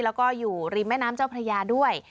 แล้วก็อยู่ริมแม่น้ำเจ้าพระยาด้วย